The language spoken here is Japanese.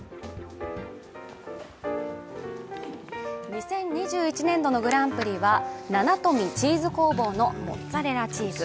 ２０２１年度のグランプリは七富チーズ工房のモッツァレラチーズ。